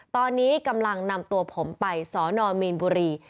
ตอนนี้กำลังนำตัวผมไปสนมีนบุรี